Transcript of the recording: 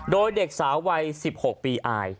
โดยเด็กสาววัย๑๖ปีอาย